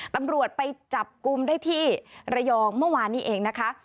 ตำรวจไปจับกลุ่มได้ที่ระยองเมื่อวานนี้เองนะคะ